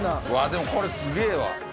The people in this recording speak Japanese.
でもこれすげぇわ。